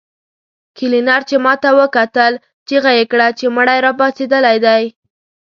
کلينر چې ماته وکتل چيغه يې کړه چې مړی راپاڅېدلی دی.